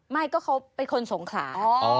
ไม่ก็เขาเป็นคนสงขลา